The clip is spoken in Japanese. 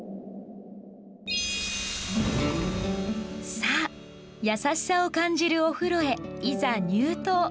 さあ、やさしさを感じるお風呂へ、いざ入湯。